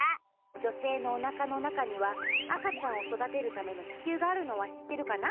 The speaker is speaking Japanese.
女せいのおなかの中には赤ちゃんをそだてるための子宮があるのは知ってるかな？